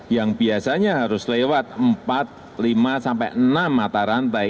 yang biasanya harus lewat empat lima sampai enam mata rantai